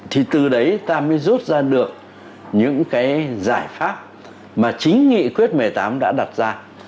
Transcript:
thì từ đấy ta mới rút ra được những cái giải pháp mà chính nghị quyết một mươi tám đã đặt ra